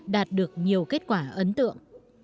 đạt được nhiều kết quả ấn tượng